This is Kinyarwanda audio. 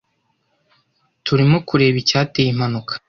Turimo kureba icyateye impanuka.